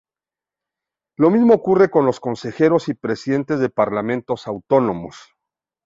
Lo mismo ocurre con los consejeros y presidentes de parlamentos autonómicos.